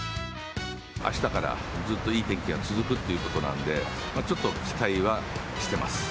あしたからずっといい天気が続くってことなんで、ちょっと期待はしてます。